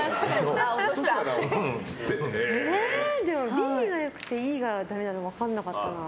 Ｂが良くてＥがダメなの分からなかったな。